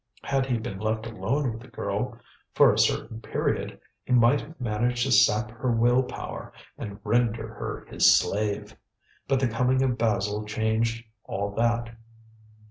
Had he been left alone with the girl, for a certain period, he might have managed to sap her will power and render her his slave. But the coming of Basil changed all that.